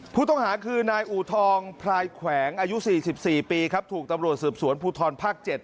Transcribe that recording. ผู้ต้องหาคือนายอูทองพลายแขวงอายุ๔๔ปีครับถูกตำรวจสืบสวนภูทรภาค๗